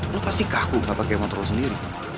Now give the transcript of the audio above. lo pasti kaku gak pakai motor lo sendiri